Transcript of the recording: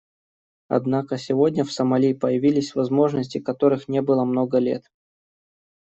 Однако сегодня в Сомали появились возможности, которых не было много лет.